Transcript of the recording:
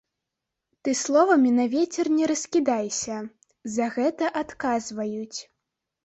Ты словамі на вецер не раскідайся, за гэта адказваюць.